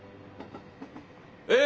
え